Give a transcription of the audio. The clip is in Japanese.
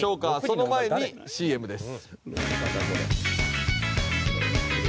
その前にＣＭです。